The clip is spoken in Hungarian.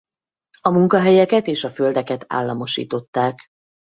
A munkahelyeket és a földeket államosították.